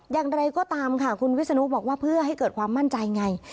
อย่างไรก็ตามค่ะคุณวิศนุบอกว่าเพื่อให้เกิดความมั่นใจไง